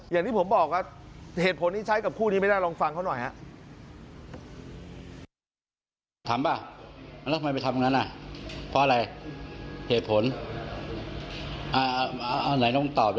อย่างที่ผมบอกว่าเหตุผลนี้ใช้กับคู่นี้ไม่ได้ลองฟังเขาหน่อยฮะ